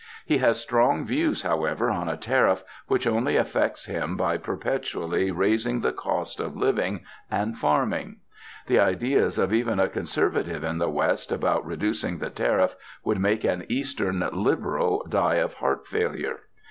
He has strong views, however, on a Tariff which only affects him by perpetually raising the cost of living and farming. The ideas of even a Conservative in the West about reducing the Tariff would make an Eastern 'Liberal' die of heart failure.